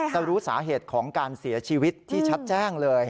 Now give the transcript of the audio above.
จะรู้สาเหตุของการเสียชีวิตที่ชัดแจ้งเลย